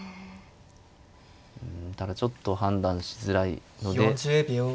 うんただちょっと判断しづらいので。